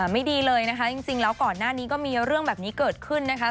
ไม่ดีเลยนะคะจริงแล้วก่อนหน้านี้ก็มีเรื่องแบบนี้เกิดขึ้นนะคะ